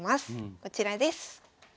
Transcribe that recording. こちらです。